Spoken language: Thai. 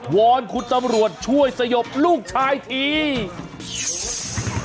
อนคุณตำรวจช่วยสยบลูกชายที